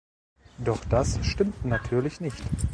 Doch das stimmt natürlich nicht.